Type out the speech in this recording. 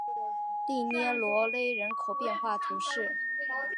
利涅罗勒人口变化图示